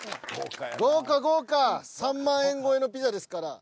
豪華豪華３万円超えのピザですから。